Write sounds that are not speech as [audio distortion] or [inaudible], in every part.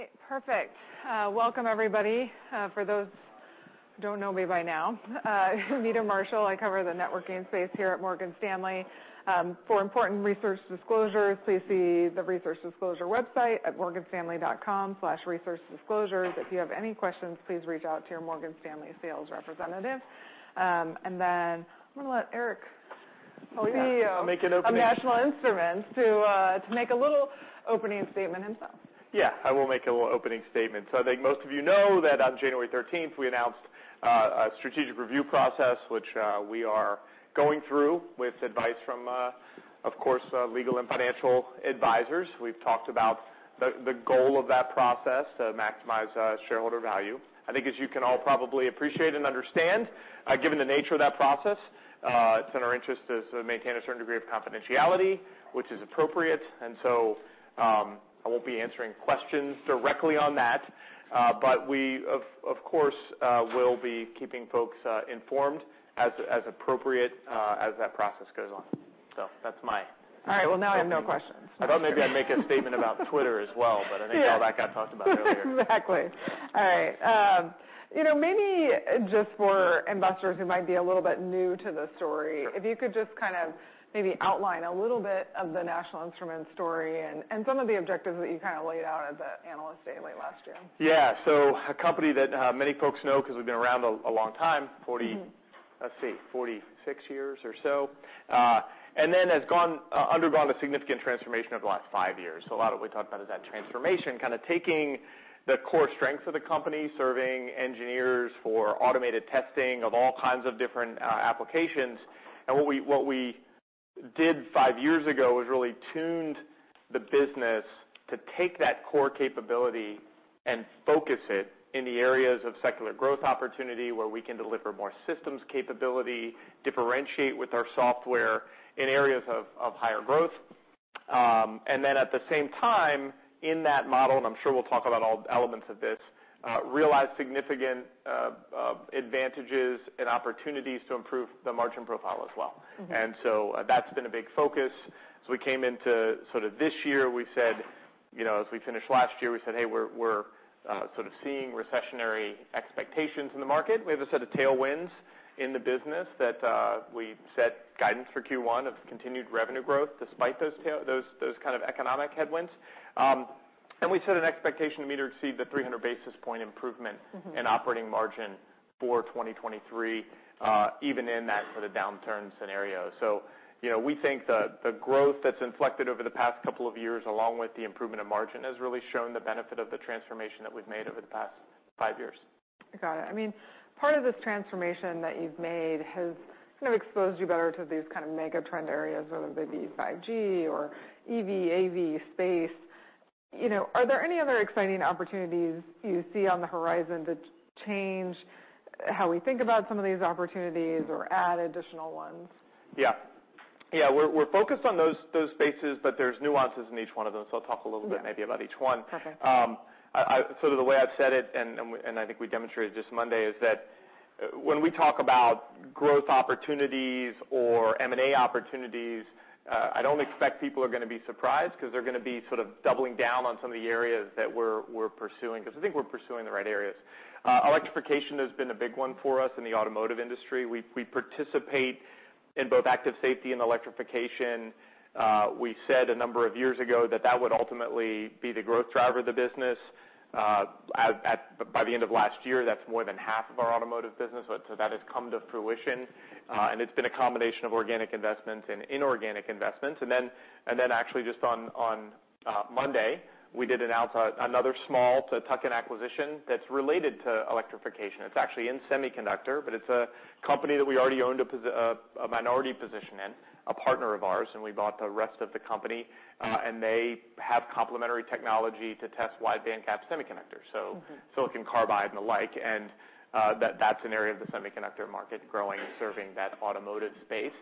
All right, perfect. Welcome everybody. For those who don't know me by now, Meta Marshall, I cover the networking space here at Morgan Stanley. For important research disclosures, please see the research disclosure website at morganstanley.com/researchdisclosures. If you have any questions, please reach out to your Morgan Stanley sales representative. Then I'm gonna let Eric Starkloff- Yeah, I'll make an opening-. of National Instruments to make a little opening statement himself. I will make a little opening statement. I think most of you know that on January 13th, we announced a strategic review process, which we are going through with advice from, of course, legal and financial advisors. We've talked about the goal of that process: to maximize shareholder value. I think as you can all probably appreciate and understand, given the nature of that process, it's in our interest to maintain a certain degree of confidentiality, which is appropriate. I won't be answering questions directly on that. We of course will be keeping folks informed as appropriate as that process goes on. All right. Well, now I have no questions. I thought maybe I'd make a statement about Twitter as well, but I think all that got talked about earlier. Exactly. All right. you know, maybe just for investors who might be a little bit new to the story, if you could just kind of maybe outline a little bit of the National Instruments story and some of the objectives that you kind of laid out at the analyst day late last year. Yeah. A company that, many folks know 'cause we've been around a long time. Mm-hmm Let's see, 46 years or so. Then has undergone a significant transformation over the last five years. A lot of what we talked about is that transformation, kind of taking the core strengths of the company, serving engineers for automated testing of all kinds of different applications. What we did five years ago was really tuned the business to take that core capability and focus it in the areas of secular growth opportunity, where we can deliver more systems capability, differentiate with our software in areas of higher growth. Then at the same time, in that model, and I'm sure we'll talk about all elements of this, realize significant advantages and opportunities to improve the margin profile as well. Mm-hmm. That's been a big focus. We came into sort of this year, we said, you know, as we finished last year, we said, "Hey, we're sort of seeing recessionary expectations in the market." We have a set of tailwinds in the business that we set guidance for Q1 of continued revenue growth despite those kind of economic headwinds. We set an expectation to meet or exceed the 300 basis point improvement. Mm-hmm In operating margin for 2023, even in that sort of downturn scenario. You know, we think the growth that's inflected over the past couple of years, along with the improvement of margin, has really shown the benefit of the transformation that we've made over the past five years. Got it. I mean, part of this transformation that you've made has kind of exposed you better to these kind of mega trend areas, whether they be 5G or EV, AV space. You know, are there any other exciting opportunities you see on the horizon that change how we think about some of these opportunities or add additional ones? Yeah. Yeah. We're focused on those spaces. There's nuances in each one of those. I'll talk a little bit maybe about each one. Okay. I sort of the way I've said it, and I think we demonstrated this Monday, is that when we talk about growth opportunities or M&A opportunities, I don't expect people are gonna be surprised 'cause they're gonna be sort of doubling down on some of the areas that we're pursuing, 'cause I think we're pursuing the right areas. Electrification has been a big one for us in the automotive industry. We participate in both active safety and electrification. We said a number of years ago that that would ultimately be the growth driver of the business. By the end of last year, that's more than half of our automotive business. That has come to fruition. It's been a combination of organic investments and inorganic investments. Then actually just on Monday, we did announce another small sort of tuck-in acquisition that's related to electrification. It's actually in semiconductor, but it's a company that we already owned a minority position in, a partner of ours, and we bought the rest of the company. And they have complementary technology to test wide bandgap semiconductors. Mm-hmm. Silicon carbide and the like. That's an area of the semiconductor market growing and serving that automotive space.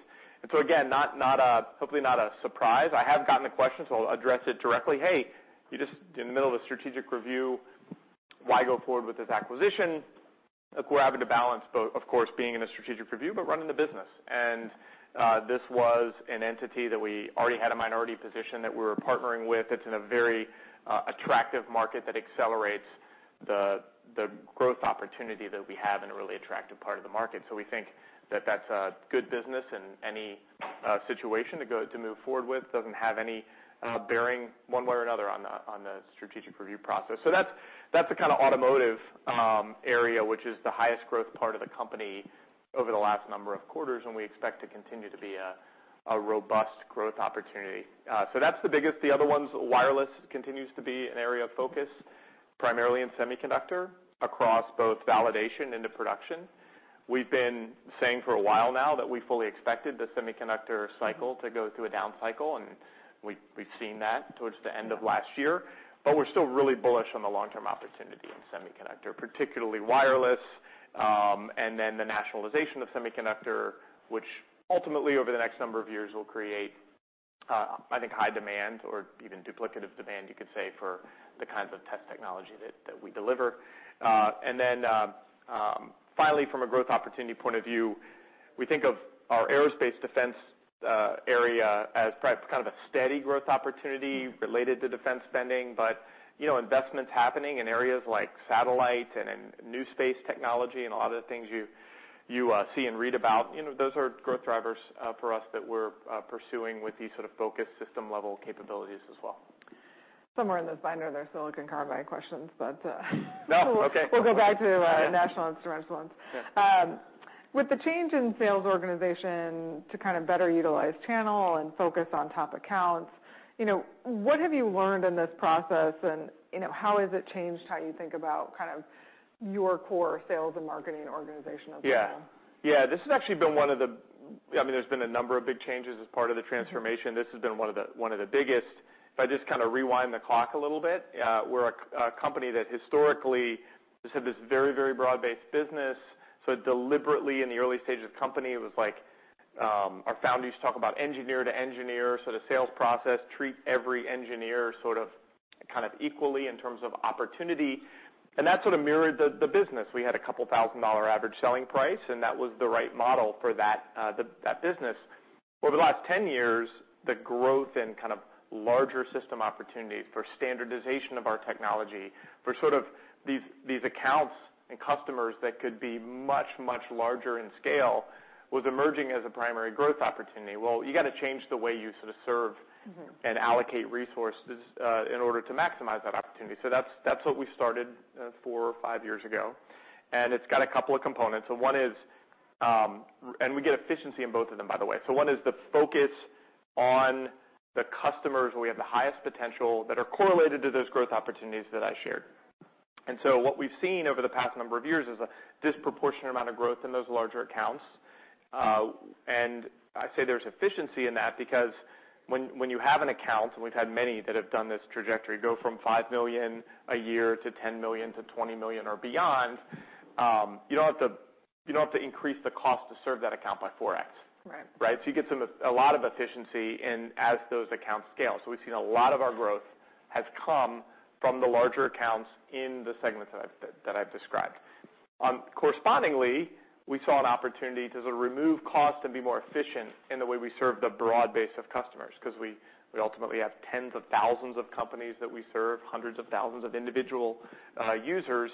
Again, hopefully not a surprise. I have gotten the question, so I'll address it directly. "Hey, you're just in the middle of a strategic review. Why go forward with this acquisition?" We're having to balance both, of course, being in a strategic review, but running the business. This was an entity that we already had a minority position that we were partnering with, that's in a very attractive market that accelerates the growth opportunity that we have in a really attractive part of the market. We think that that's a good business in any situation to move forward with. Doesn't have any bearing one way or another on the, on the strategic review process. That's, that's the kind of automotive area which is the highest growth part of the company over the last number of quarters, and we expect to continue to be a robust growth opportunity. That's the biggest. The other one's wireless continues to be an area of focus, primarily in semiconductor across both validation into production. We've been saying for a while now that we fully expected the semiconductor cycle to go through a down cycle, and we've seen that towards the end of last year. We're still really bullish on the long-term opportunity in semiconductor, particularly wireless, and then the nationalization of semiconductor, which ultimately over the next number of years will create, I think, high demand or even duplicative demand, you could say, for the kinds of test technology that we deliver. Finally, from a growth opportunity point of view, we think of our aerospace defense area as probably kind of a steady growth opportunity related to defense spending, but, you know, investments happening in areas like satellite and in new space technology and a lot of the things you see and read about, you know, those are growth drivers for us that we're pursuing with these sort of focused system-level capabilities as well. Somewhere in this binder, there's silicon carbide questions, but. No? Okay. We'll go back to, National Instruments ones. Yeah. With the change in sales organization to kind of better utilize channel and focus on top accounts, you know, what have you learned in this process and, you know, how has it changed how you think about kind of your core sales and marketing organization overall? Yeah. This has actually been one of the, I mean, there's been a number of big changes as part of the transformation. This has been one of the biggest. If I just kind of rewind the clock a little bit, we're a company that historically just had this very broad-based business, so deliberately in the early stage of the company, it was like, our founders used to talk about engineer to engineer, so the sales process, treat every engineer sort of kind of equally in terms of opportunity, and that sort of mirrored the business. We had a couple thousand dollar average selling price, and that was the right model for that business. Over the last 10 years, the growth in kind of larger system opportunities for standardization of our technology, for sort of these accounts and customers that could be much, much larger in scale, was emerging as a primary growth opportunity. Well, you gotta change the way you sort of serve- Mm-hmm and allocate resources, in order to maximize that opportunity. That's what we started, four or five years ago, and it's got a couple of components. One is, we get efficiency in both of them, by the way. One is the focus on the customers where we have the highest potential that are correlated to those growth opportunities that I shared. What we've seen over the past number of years is a disproportionate amount of growth in those larger accounts. I say there's efficiency in that because when you have an account, and we've had many that have done this trajectory, go from $5 million a year to $10 million to $20 million or beyond, you don't have to increase the cost to serve that account by 4x. Right. Right? You get a lot of efficiency as those accounts scale. We've seen a lot of our growth has come from the larger accounts in the segments that I've described. Correspondingly, we saw an opportunity to sort of remove cost and be more efficient in the way we serve the broad base of customers 'cause we ultimately have tens of thousands of companies that we serve, hundreds of thousands of individual users.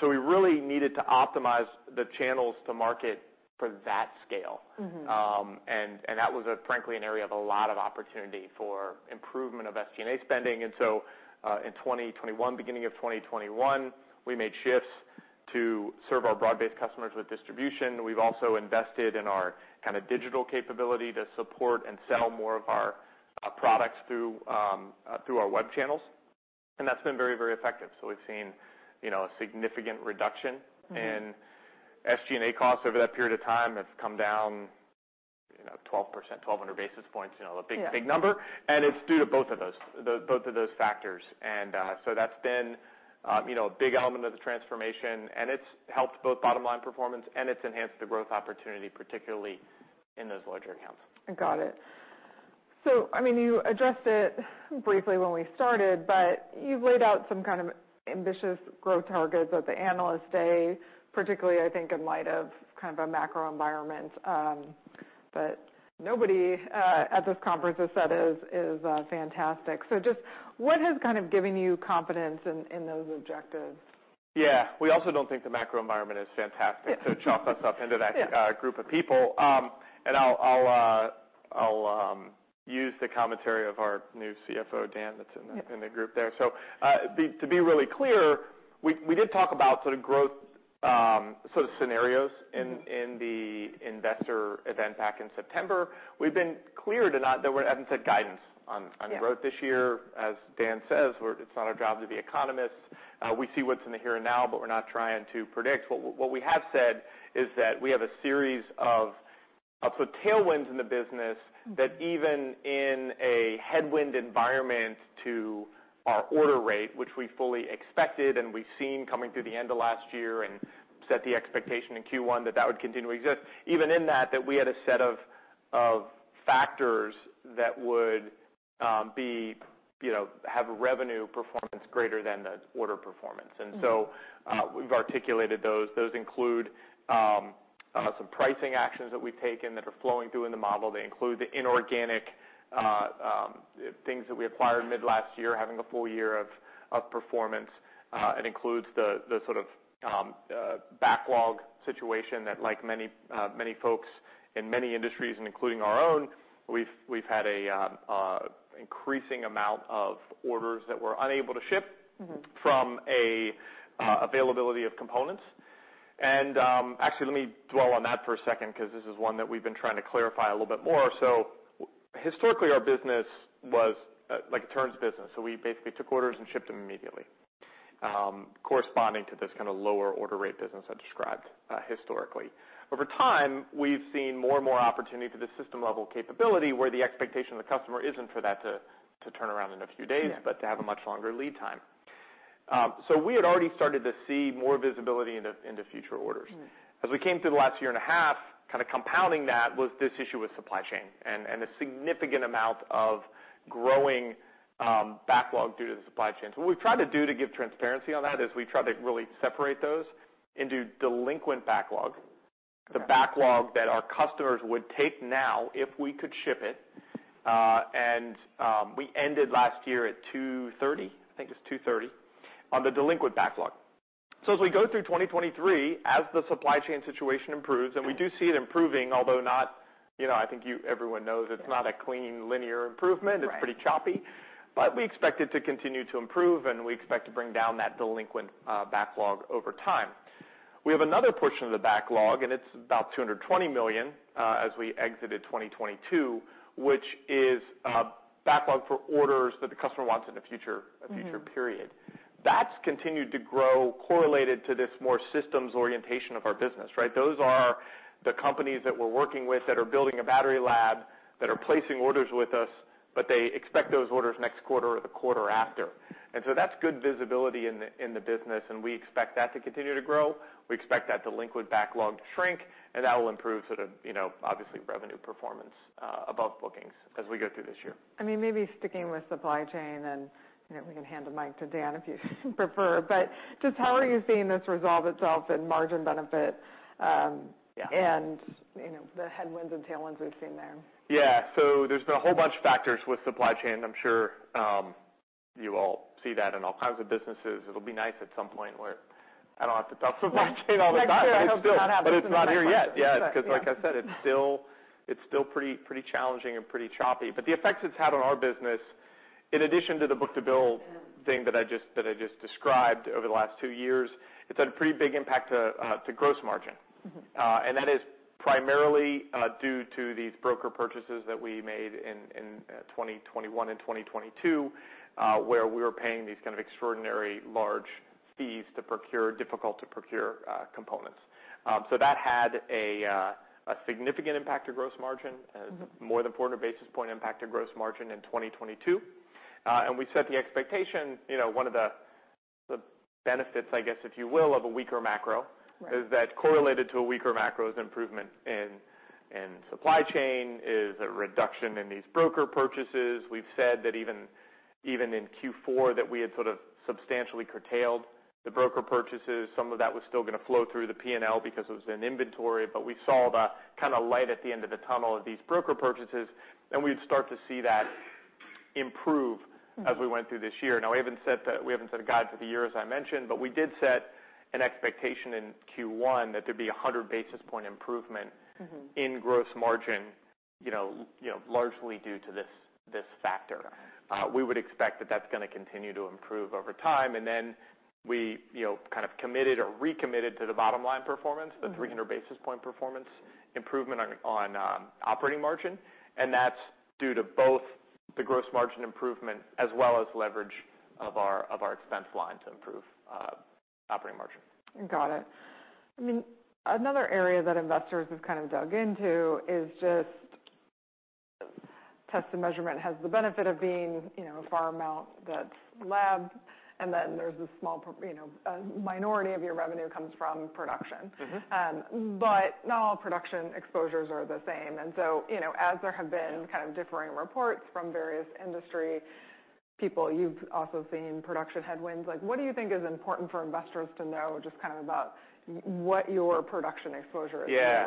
We really needed to optimize the channels to market for that scale. Mm-hmm. That was, frankly, an area of a lot of opportunity for improvement of SG&A spending. In 2021, beginning of 2021, we made shifts to serve our broad-based customers with distribution. We've also invested in our kind of digital capability to support and sell more of our products through our web channels, that's been very, very effective. We've seen, you know, a significant reduction. Mm-hmm In SG&A costs over that period of time. It's come down, you know, 12%, 1,200 basis points. You know, a big- Yeah Big number, and it's due to both of those, both of those factors. So that's been, you know, a big element of the transformation, and it's helped both bottom line performance and it's enhanced the growth opportunity, particularly in those larger accounts. Got it. I mean, you addressed it briefly when we started, but you've laid out some kind of ambitious growth targets at the Analyst Day, particularly, I think, in light of kind of a macro environment, that nobody at this conference has said is fantastic. Just what has kind of given you confidence in those objectives? Yeah. We also don't think the macro environment is fantastic. Chalk us up into that. Yeah Group of people. I'll use the commentary of our new CFO, Dan, that's in the- Yeah In the group there. To be really clear, we did talk about sort of growth scenarios in the investor event back in September. We've been clear that we haven't set guidance on growth this year. Yeah. As Dan says, it's not our job to be economists. We see what's in the here and now, but we're not trying to predict. What we have said is that we have a series of sort of tailwinds in the business that even in a headwind environment to our order rate, which we fully expected and we've seen coming through the end of last year and set the expectation in Q1 that that would continue to exist, even in that we had a set of factors that would be, you know, have revenue performance greater than the order performance. Mm-hmm. We've articulated those. Those include some pricing actions that we've taken that are flowing through in the model. They include the inorganic things that we acquired mid last year, having a full year of performance. It includes the sort of backlog situation that, like many, many folks in many industries and including our own, we've had an increasing amount of orders that we're unable to ship. Mm-hmm From a availability of components. Actually, let me dwell on that for a second 'cause this is one that we've been trying to clarify a little bit more. Historically, our business was like a turns business, so we basically took orders and shipped them immediately, corresponding to this kind of lower order rate business I described historically. Over time, we've seen more and more opportunity for this system-level capability, where the expectation of the customer isn't for that to turn around in a few days- Yeah But to have a much longer lead time. We had already started to see more visibility into future orders. Mm-hmm. As we came through the last year and a half, kind of compounding that was this issue with supply chain and a significant amount of growing backlog due to the supply chains. What we've tried to do to give transparency on that is we've tried to really separate those into delinquent backlog. The backlog that our customers would take now if we could ship it, and we ended last year at 230, I think it's 230, on the delinquent backlog. As we go through 2023, as the supply chain situation improves, and we do see it improving, although not, you know, I think everyone knows it's not a clean linear improvement. Right. It's pretty choppy. We expect it to continue to improve, and we expect to bring down that delinquent backlog over time. We have another portion of the backlog, and it's about $220 million, as we exited 2022, which is backlog for orders that the customer wants in the future. Mm-hmm. A future period. That's continued to grow correlated to this more systems orientation of our business, right? Those are the companies that we're working with that are building a battery lab, that are placing orders with us, but they expect those orders next quarter or the quarter after. That's good visibility in the business, and we expect that to continue to grow. We expect that delinquent backlog to shrink, and that will improve sort of, you know, obviously, revenue performance above bookings as we go through this year. I mean, maybe sticking with supply chain, and, you know, we can hand the mic to Dan if you prefer. Just how are you seeing this resolve itself and margin benefit? Yeah. You know, the headwinds and tailwinds we've seen there. Yeah. There's been a whole bunch of factors with supply chain. I'm sure, you all see that in all kinds of businesses. It'll be nice at some point where I don't have to talk supply chain all the time. Next year, I hope it does not happen. It's not here yet. 'Cause like I said, it's still pretty challenging and pretty choppy. The effects it's had on our business, in addition to the book-to-bill thing that I just described over the last two years, it's had a pretty big impact to gross margin. Mm-hmm. That is primarily due to these broker purchases that we made in 2021 and 2022, where we were paying these kind of extraordinary large fees to procure difficult to procure components. That had a significant impact to gross margin. Mm-hmm. More than 400 basis point impact to gross margin in 2022. We set the expectation, you know, one of the benefits, I guess, if you will, of a weaker macro. Right. Is that correlated to a weaker macro is improvement in supply chain, is a reduction in these broker purchases. We've said that even in Q4 that we had sort of substantially curtailed the broker purchases. Some of that was still gonna flow through the P&L because it was in inventory, but we saw the kind of light at the end of the tunnel of these broker purchases, we'd start to see that improve- Mm-hmm. As we went through this year. We haven't set a guide for the year, as I mentioned. We did set an expectation in Q1 that there'd be 100 basis point improvement. Mm-hmm. In gross margin, you know, largely due to this factor. We would expect that that's gonna continue to improve over time. We, you know, kind of committed or recommitted to the bottom line performance. Mm-hmm. The 300 basis point performance improvement on operating margin, and that's due to both the gross margin improvement as well as leverage of our expense line to improve operating margin. Got it. I mean, another area that investors have kind of dug into is just test and measurement has the benefit of being, you know, a far amount that's lab, then there's you know, a minority of your revenue comes from production. Mm-hmm. Not all production exposures are the same. You know, as there have been kind of differing reports from various industry people, you've also seen production headwinds. Like, what do you think is important for investors to know just kind of about what your production exposure is really? Yeah.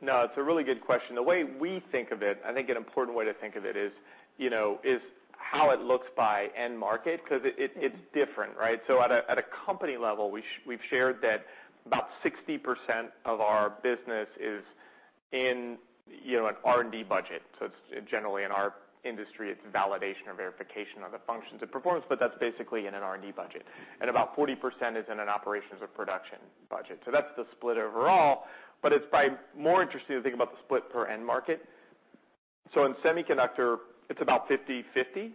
No, it's a really good question. The way we think of it, I think an important way to think of it is, you know, is how it looks by end market 'cause it's different, right? At a company level, we've shared that about 60% of our business is in, you know, an R&D budget. It's generally in our industry, it's validation or verification of the functions and performance, but that's basically in an R&D budget. About 40% is in an operations or production budget. That's the split overall, but it's by more interesting to think about the split per end market. In semiconductor, it's about 50/50.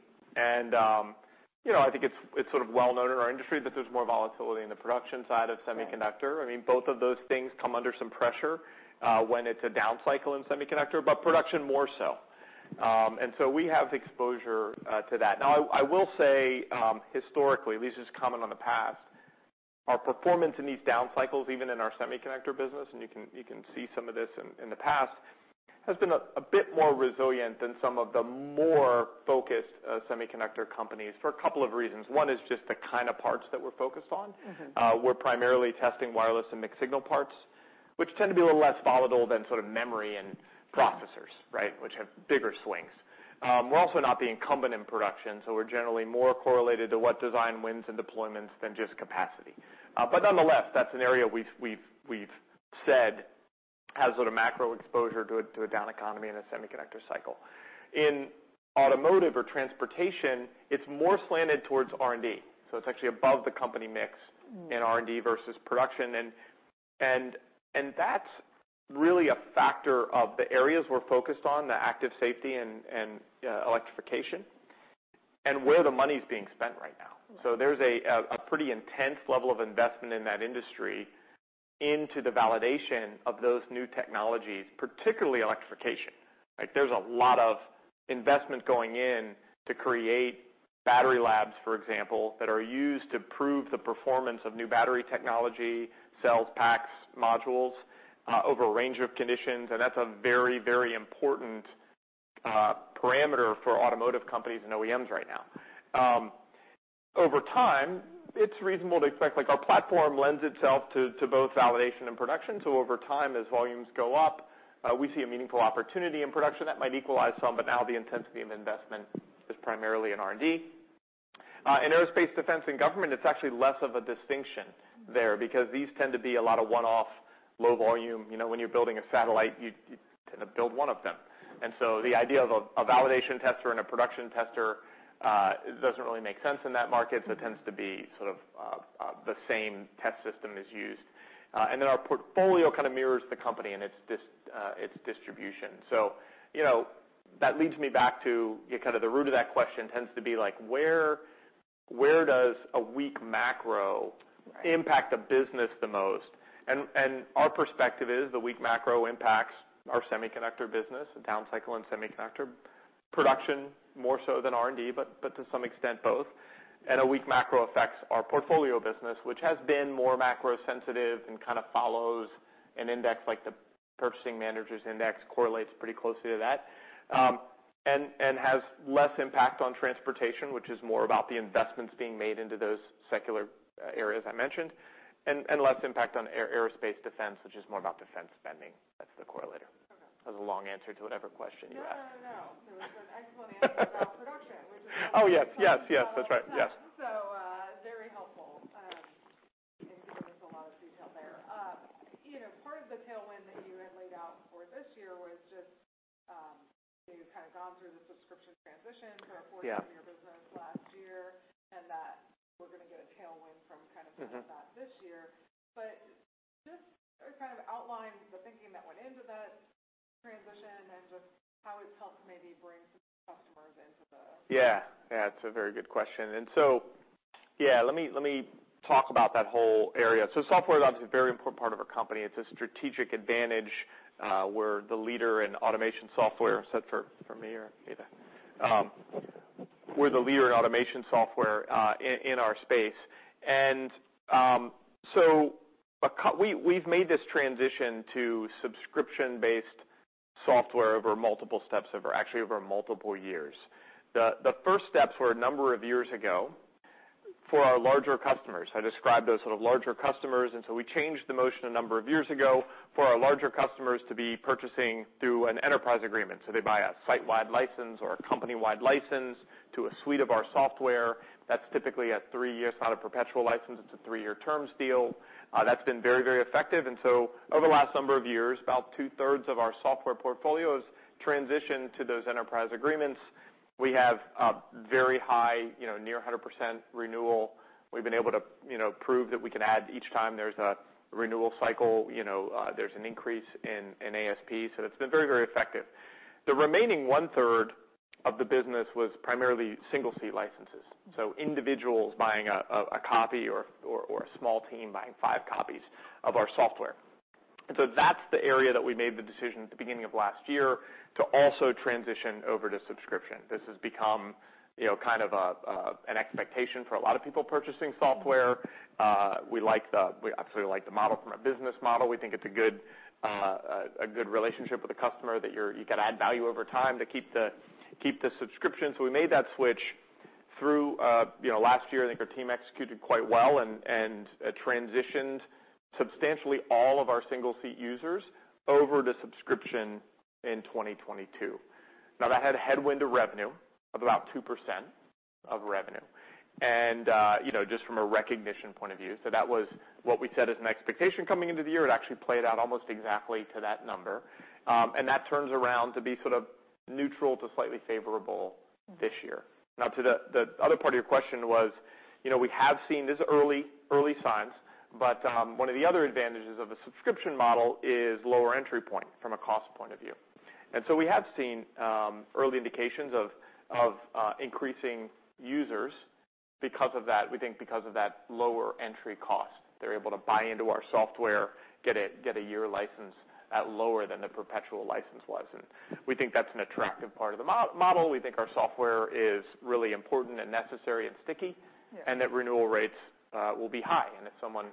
You know, I think it's sort of well known in our industry that there's more volatility in the production side of semiconductor. I mean, both of those things come under some pressure when it's a down cycle in semiconductor, but production more so. We have exposure to that. Now I will say, historically, this is comment on the past, our performance in these down cycles, even in our semiconductor business, and you can see some of this in the past, has been a bit more resilient than some of the more focused semiconductor companies for a couple of reasons. One is just the kind of parts that we're focused on. Mm-hmm. We're primarily testing wireless and mixed-signal parts, which tend to be a little less volatile than sort of memory and processors, right? Which have bigger swings. We're also not the incumbent in production, so we're generally more correlated to what design wins and deployments than just capacity. Nonetheless, that's an area we've said has sort of macro exposure to a, to a down economy in a semiconductor cycle. In automotive or transportation, it's more slanted towards R&D. It's actually above the company mix. Mm-hmm. In R&D versus production. That's really a factor of the areas we're focused on, the active safety and electrification, and where the money's being spent right now. Mm-hmm. There's a pretty intense level of investment in that industry into the validation of those new technologies, particularly electrification. There's a lot of investment going in to create battery labs, for example, that are used to prove the performance of new battery technology, cells, packs, modules, over a range of conditions. That's a very, very important parameter for automotive companies and OEMs right now. Over time, it's reasonable to expect our platform lends itself to both validation and production. Over time, as volumes go up, we see a meaningful opportunity in production that might equalize some, but now the intensity of investment is primarily in R&D. In aerospace, defense, and government, it's actually less of a distinction there because these tend to be a lot of one-off low volume. You know, when you're building a satellite, you tend to build one of them. The idea of a validation tester and a production tester doesn't really make sense in that market. It tends to be sort of the same test system is used. Our portfolio kind of mirrors the company and its distribution. You know, that leads me back to kind of the root of that question tends to be like, where does a weak macro impact the business the most? Our perspective is the weak macro impacts our semiconductor business, the down cycle and semiconductor production, more so than R&D. To some extent, both. A weak macro affects our portfolio business, which has been more macro sensitive and kind of follows an index, like the Purchasing Managers' Index correlates pretty closely to that. And has less impact on transportation, which is more about the investments being made into those secular areas I mentioned. And less impact on aerospace defense, which is more about defense spending. That's the correlator. That was a long answer to whatever question you asked. [audio distortion] oh, yes. Yes, yes. That's right. Yes. Very helpful. You gave us a lot of detail there. You know, part of the tailwind that you had laid out for this year was just, you know, you've kind of gone through the subscription transition. Yeah For a portion of your business last year, and that we're gonna get a tailwind from- Mm-hmm that this year. Just kind of outline the thinking that went into that transition and just how it's helped maybe bring some customers into the. Yeah. Yeah. It's a very good question. Yeah, let me talk about that whole area. Software is obviously a very important part of our company. It's a strategic advantage, we're the leader in automation software, except for Amir. We're the leader in automation software in our space. We've made this transition to subscription-based software over multiple steps over, actually over multiple years. The first steps were a number of years ago for our larger customers. I described those sort of larger customers. We changed the motion a number of years ago for our larger customers to be purchasing through an enterprise agreement. They buy a site-wide license or a company-wide license to a suite of our software. That's typically a three-year. It's not a perpetual license, it's a three-year terms deal. That's been very, very effective. Over the last number of years, about 2/3 of our software portfolio has transitioned to those enterprise agreements. We have a very high, near 100% renewal. We've been able to prove that we can add each time there's a renewal cycle, there's an increase in ASP. It's been very, very effective. The remaining 1/3 of the business was primarily single-seat licenses, so individuals buying a copy or a small team buying five copies of our software. That's the area that we made the decision at the beginning of last year to also transition over to subscription. This has become kind of an expectation for a lot of people purchasing software. We like the, we absolutely like the model from a business model. We think it's a good, a good relationship with the customer, that you can add value over time to keep the subscription. We made that switch through, you know, last year. I think our team executed quite well and transitioned substantially all of our single-seat users over to subscription in 2022. Now, that had a headwind to revenue of about 2% of revenue. You know, just from a recognition point of view. That was what we said is an expectation coming into the year. It actually played out almost exactly to that number. That turns around to be sort of neutral to slightly favorable this year. Now to the other part of your question was, you know, we have seen this early signs, but one of the other advantages of a subscription model is lower entry point from a cost point of view. We have seen early indications of increasing users because of that. We think because of that lower entry cost, they're able to buy into our software, get a year license at lower than the perpetual license was. We think that's an attractive part of the model. We think our software is really important and necessary and sticky. Yeah. That renewal rates will be high. If someone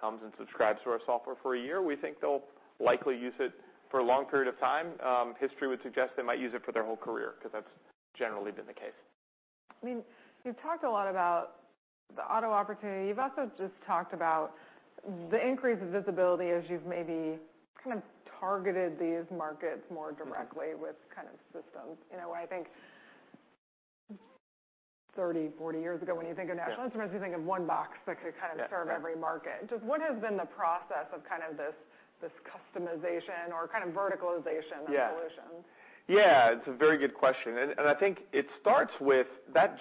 comes and subscribes to our software for a year, we think they'll likely use it for a long period of time. History would suggest they might use it for their whole career 'cause that's generally been the case. I mean, you've talked a lot about the auto opportunity. You've also just talked about the increase of visibility as you've maybe kind of targeted these markets more directly with kind of systems. You know, I think 30, 40 years ago, when you think of National Instruments- Yeah You think of one box that could kind of. Yeah Serve every market. Just what has been the process of kind of this customization or kind of verticalization evolution? Yeah, it's a very good question. I think it starts with that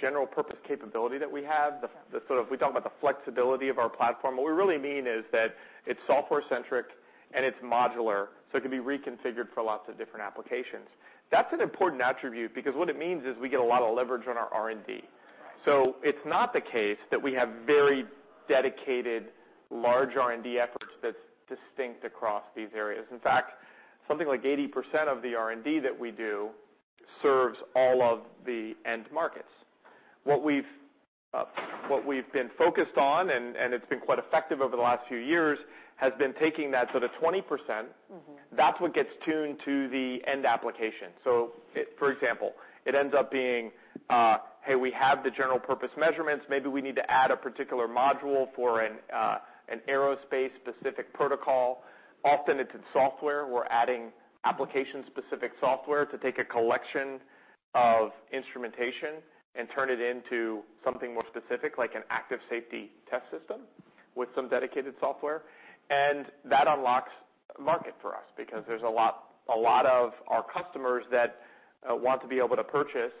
general purpose capability that we have. The sort of, we talk about the flexibility of our platform. What we really mean is that it's software centric and it's modular, so it can be reconfigured for lots of different applications. That's an important attribute because what it means is we get a lot of leverage on our R&D. Right. It's not the case that we have very dedicated large R&D efforts that's distinct across these areas. In fact, something like 80% of the R&D that we do serves all of the end markets. What we've been focused on, and it's been quite effective over the last few years, has been taking that. The 20%. Mm-hmm That's what gets tuned to the end application. For example, it ends up being, hey, we have the general purpose measurements. Maybe we need to add a particular module for an aerospace-specific protocol. Often it's in software. We're adding application-specific software to take a collection of instrumentation and turn it into something more specific like an active safety test system with some dedicated software. That unlocks market for us because there's a lot of our customers that want to be able to purchase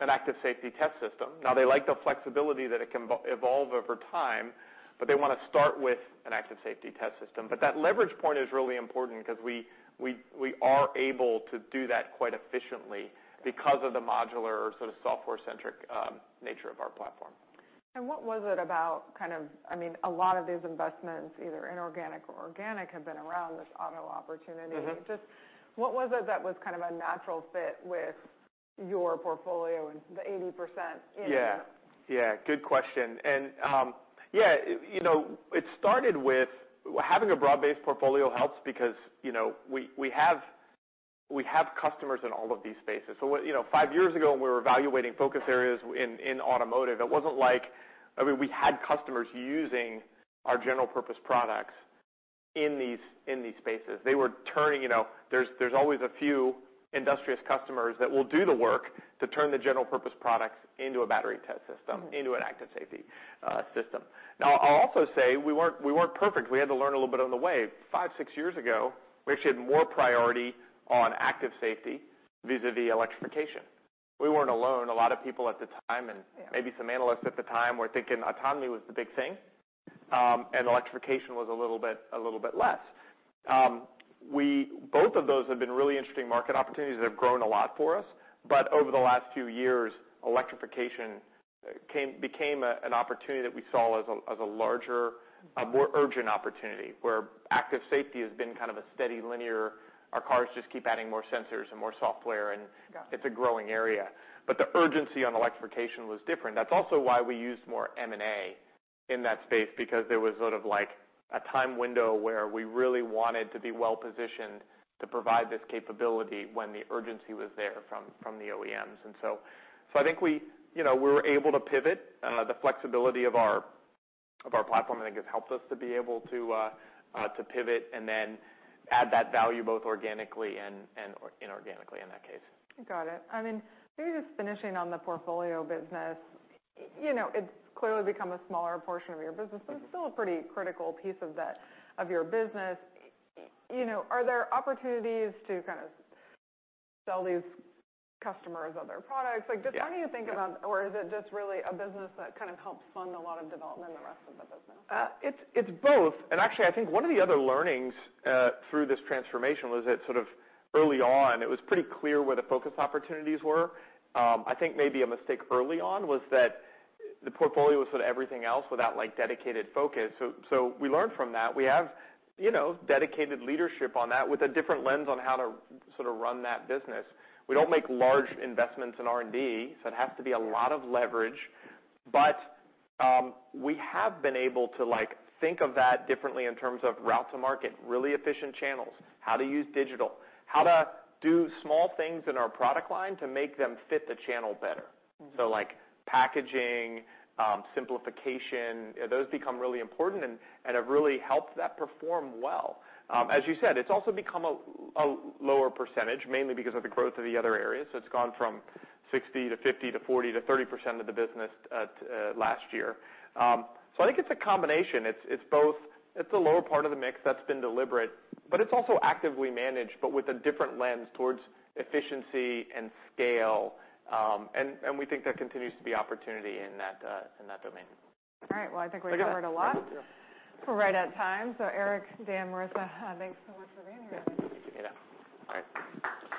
an active safety test system. Now, they like the flexibility that it can evolve over time, but they wanna start with an active safety test system. That leverage point is really important 'cause we are able to do that quite efficiently because of the modular sort of software-centric nature of our platform. What was it about kind of, I mean, a lot of these investments, either inorganic or organic, have been around this auto opportunity. Mm-hmm. Just what was it that was kind of a natural fit with your portfolio and the 80% in there? Yeah. Yeah, good question. you know, it started with having a broad-based portfolio helps because, you know, we have customers in all of these spaces. you know, five years ago, when we were evaluating focus areas in automotive, it wasn't like, I mean, we had customers using our general purpose products in these spaces. They were turning, you know, there's always a few industrious customers that will do the work to turn the general purpose products into a battery test system. Mm-hmm Into an active safety system. I'll also say we weren't perfect. We had to learn a little bit on the way. Five, six years ago, we actually had more priority on active safety vis-à-vis electrification. We weren't alone. A lot of people at the time. Yeah Maybe some analysts at the time were thinking autonomy was the big thing, and electrification was a little bit less. Both of those have been really interesting market opportunities that have grown a lot for us. Over the last few years, electrification became an opportunity that we saw as a, as a larger- Mm-hmm A more urgent opportunity, where active safety has been kind of a steady linear. Our cars just keep adding more sensors and more software. Got it. It's a growing area. The urgency on electrification was different. That's also why we used more M&A in that space, because there was sort of like a time window where we really wanted to be well positioned to provide this capability when the urgency was there from the OEMs. I think we, you know, we were able to pivot. The flexibility of our platform, I think, has helped us to be able to pivot and then add that value both organically and inorganically in that case. Got it. I mean, maybe just finishing on the portfolio business. You know, it's clearly become a smaller portion of your business. Mm-hmm But still a pretty critical piece of that, of your business. You know, are there opportunities to kind of sell these customers other products? Yeah How are you thinking about? Is it just really a business that kind of helps fund a lot of development in the rest of the business? It's both. Actually, I think one of the other learnings through this transformation was that sort of early on, it was pretty clear where the focus opportunities were. I think maybe a mistake early on was that the portfolio was sort of everything else without like dedicated focus. We learned from that. We have, you know, dedicated leadership on that with a different lens on how to sort of run that business. We don't make large investments in R&D, so it has to be a lot of leverage. We have been able to like think of that differently in terms of route to market, really efficient channels, how to use digital, how to do small things in our product line to make them fit the channel better. Mm-hmm. Like packaging, simplification, those become really important and have really helped that perform well. As you said, it's also become a lower percentage, mainly because of the growth of the other areas. It's gone from 60% to 50% to 40% to 30% of the business last year. I think it's a combination. It's both. It's a lower part of the mix that's been deliberate, but it's also actively managed, but with a different lens towards efficiency and scale. And we think there continues to be opportunity in that in that domain. All right. Well, I think we've heard a lot. Yeah. We're right at time. Eric, Dan, Marissa, thanks so much for being here. Yeah. Thank you.